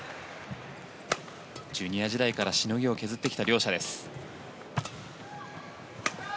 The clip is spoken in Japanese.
ジュニア時代からしのぎを削ってきた両者です。